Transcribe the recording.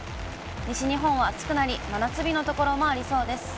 西日本は暑くなり、真夏日の所もありそうです。